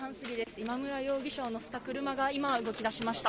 今村容疑者を乗せた車が今、動きだしました。